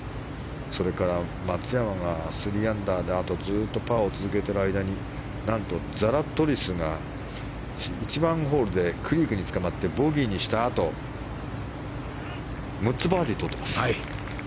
それから松山が３アンダーでずっとパーを続けている間に何とザラトリスが、１番ホールでクリークにつかまってボギーにしたあと６つバーディーをとってます。